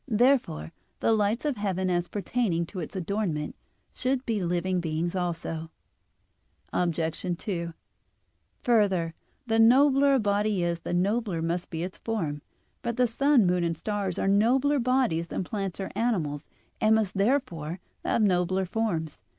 Therefore the lights of heaven, as pertaining to its adornment, should be living beings also. Obj. 2: Further, the nobler a body is, the nobler must be its form. But the sun, moon, and stars are nobler bodies than plants or animals, and must therefore have nobler forms.